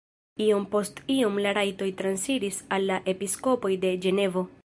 Iom post iom la rajtoj transiris al la episkopoj de Ĝenevo.